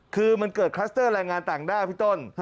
คือมันเกิดคลัสเตอร์แรงงานต่างด้าวพี่ต้น